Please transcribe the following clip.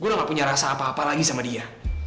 gue gak punya rasa apa apa lagi sama dia